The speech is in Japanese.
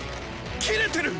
キレてる！